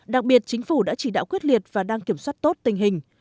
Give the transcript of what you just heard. đặc biệt chính phủ đã chỉ đạo quyết liệt và đang kiểm soát tốt tình hình